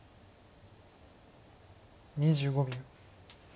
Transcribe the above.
２５秒。